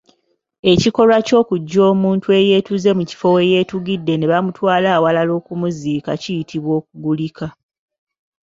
Ekikolwa ky’okujja omuntu eyeetuze mu kifo we yeetugidde ne bamutwala awalala okumuziika kiyitibwa Kugulika.